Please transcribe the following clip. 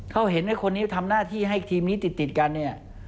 เขาเห็นไอ้คนนี้ทำหน้าที่ให้ทีมนี้ติดกันเนี่ย